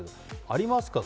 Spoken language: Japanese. ありますか？